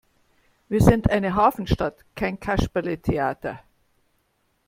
Wir sind eine Hafenstadt, kein Kasperletheater!